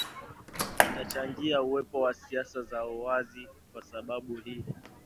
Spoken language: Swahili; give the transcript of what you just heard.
itachangia uwepo wa siasa za uwazi kwa sababu hii